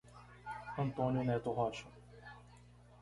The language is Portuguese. Antônio Neto Rocha